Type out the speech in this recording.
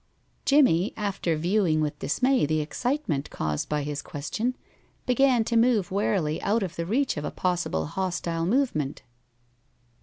Jimmie, after viewing with dismay the excitement caused by his question, began to move warily out of the reach of a possible hostile movement.